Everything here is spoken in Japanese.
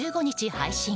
配信